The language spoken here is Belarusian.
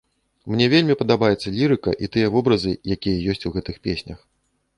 Мне вельмі падабаецца лірыка і тыя вобразы, якія ёсць у гэтых песнях.